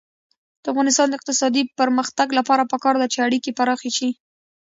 د افغانستان د اقتصادي پرمختګ لپاره پکار ده چې اړیکې پراخې شي.